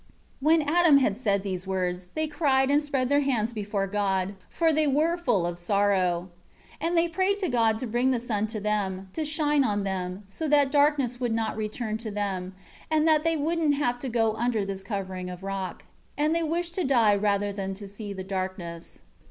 5 When Adam had said these words, they cried and spread their hands before God; for they were full of sorrow. 6 And they prayed to God to bring the sun to them, to shine on them, so that darkness would not return to them, and that they wouldn't have to go under this covering of rock. And they wished to die rather than see the darkness.